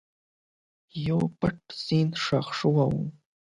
یو پټ سند ښخ شوی و.